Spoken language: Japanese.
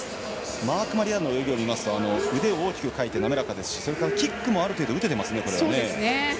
マーク・マリヤールの泳ぎを見ますと腕を大きくかいて滑らかですし、キックもある程度打ててますね。